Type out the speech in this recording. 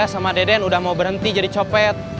sama deden udah mau berhenti jadi copet